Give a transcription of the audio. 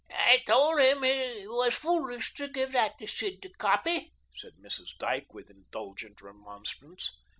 "I told him he was foolish to give that to Sid to copy," said Mrs. Dyke, with indulgent remonstrance.